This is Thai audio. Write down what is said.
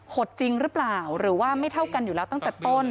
ดจริงหรือเปล่าหรือว่าไม่เท่ากันอยู่แล้วตั้งแต่ต้น